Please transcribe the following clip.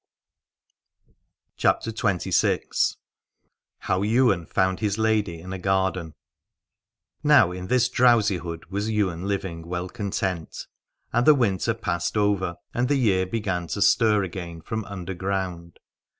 1 60 \ CHAPTER XXVI. HOW YWAIN FOUND HIS LADY IN A GARDEN. Now in this drowsihood was Ywain living well content : and the winter passed over and the year began to stir again from under ground.